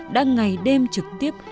đã ngày đêm trực tiếp